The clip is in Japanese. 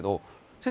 先生